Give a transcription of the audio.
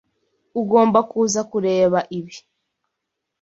Ugomba kuza kureba ibi.